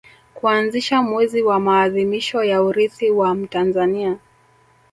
kuanzisha mwezi wa maadhimisho ya Urithi wa Mtanzania